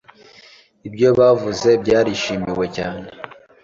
Ibyo yavuze byarishimiwe cyane